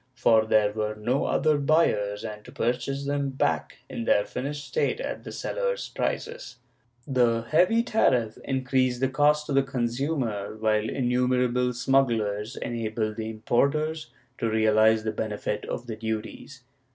163, 170 (Pamplona, 1629). 480 RETROSPECT [Book IX there were no other buyers, and to purchase them back in their finished state at the sellers' prices. The heavy tariff increased the cost to the consumer, while innumerable smugglei"s enabled the importers to realize the benefit of the duties.